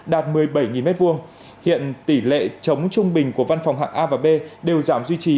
đạt một mươi bảy m hai hiện tỷ lệ chống trung bình của văn phòng hạng a và b đều giảm duy trì